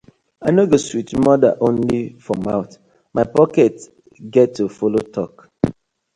I no go sweet mother only for mouth, my pocket get to follo tok.